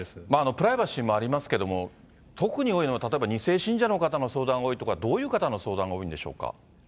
プライバシーもありますけども、特に多いのは、例えば２世信者の方の相談が多いとか、どういう方の相談が多いんでしょうか。